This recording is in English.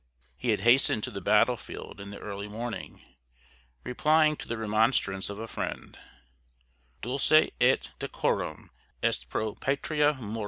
He had hastened to the battlefield in the early morning, replying to the remonstrance of a friend, "Dulce et decorum est pro patria mori."